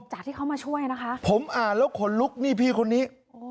จากที่เขามาช่วยนะคะผมอ่านแล้วขนลุกนี่พี่คนนี้